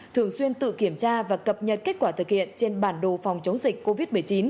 thường xuyên tự kiểm tra và cập nhật kết quả thực hiện trên bản đồ phòng chống dịch covid một mươi chín